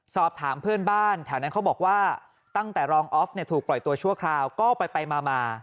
สอบถามเพื่อนบ้านแถวนั้นเขาบอกว่าตั้งแต่รองออฟถูกปล่อยตัวชั่วคราวก็ไปมา